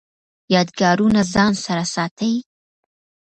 یادګارونه ځان سره ساتئ؟